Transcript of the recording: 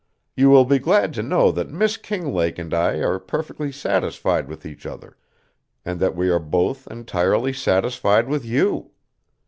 You will be glad to know that Miss Kinglake and I are perfectly satisfied with each other, and that we are both entirely satisfied with you.